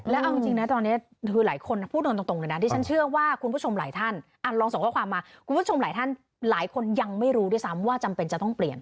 แล้วเอาจริงนะตอนนี้คือหลายคนพูดตรงเลยนะที่ฉันเชื่อว่าคุณผู้ชมหลายท่านลองส่งข้อความมาคุณผู้ชมหลายท่านหลายคนยังไม่รู้ด้วยซ้ำว่าจำเป็นจะต้องเปลี่ยน